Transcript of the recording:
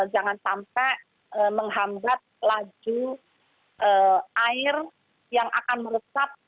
jangan sampai menghambat laju air yang akan meresap